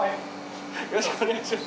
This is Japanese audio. よろしくお願いします。